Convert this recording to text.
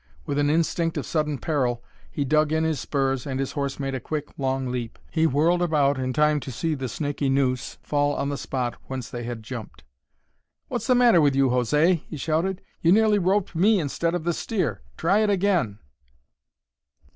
With an instinct of sudden peril he dug in his spurs and his horse made a quick, long leap. He whirled about in time to see the snakey noose fall on the spot whence they had jumped. "What's the matter with you, José?" he shouted. "You nearly roped me instead of the steer! Try it again."